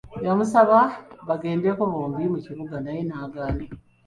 Yamusaba bagendeko bombi mu kibuga naye n'agaana.